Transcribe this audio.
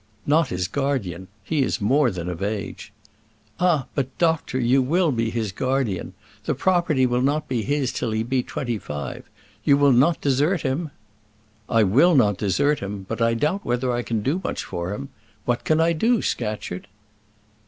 "Not his guardian. He is more than of age." "Ah! but doctor, you will be his guardian. The property will not be his till he be twenty five. You will not desert him?" "I will not desert him; but I doubt whether I can do much for him what can I do, Scatcherd?"